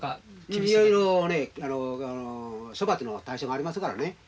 いろいろね処罰の対象がありますからね。